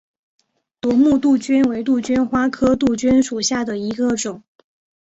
夺目杜鹃为杜鹃花科杜鹃属下的一个种。